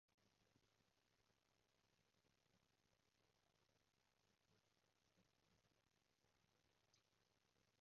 同埋喺人哋公司送嘅嗰籃撻咗兩個半島迷你奶黃返歸